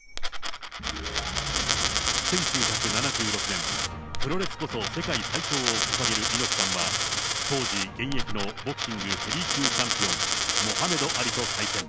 １９７６年、プロレスこそ世界最強を掲げる猪木さんは当時、現役のボクシングヘビー級チャンピオン、モハメド・アリと対戦。